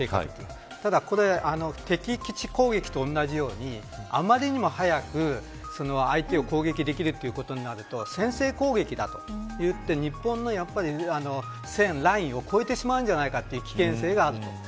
ただこれ敵基地攻撃と同じように余りにも速く相手を攻撃できるということになると先制攻撃だといって、日本のラインを越えてしまうんじゃないかという危険性がある。